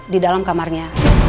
di dalam kamarnya